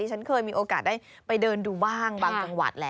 ฉันเคยมีโอกาสได้ไปเดินดูบ้างบางจังหวัดแหละ